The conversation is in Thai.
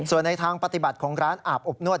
ส่วนในทางปฏิบัติของร้านอาบอบนวด